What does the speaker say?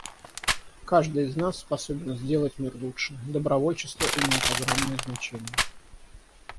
Каждый из нас способен сделать мир лучше; добровольчество имеет огромное значение.